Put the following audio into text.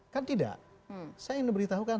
kan tidak saya ingin memberitahukan